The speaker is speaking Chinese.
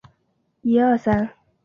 遭齐国击败后消失。